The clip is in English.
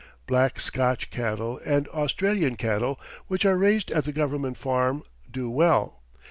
Black Scotch cattle and Australian cattle, which are raised at the government farm, do well.